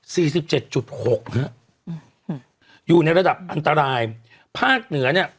สิบเจ็ดจุดหกฮะอืมอยู่ในระดับอันตรายภาคเหนือเนี้ย